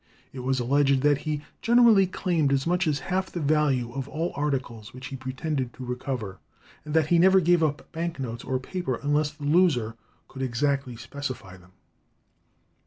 It was alleged that he generally claimed as much as half the value of all articles which he pretended to recover, and that he never gave up bank notes or paper unless the loser could exactly specify them.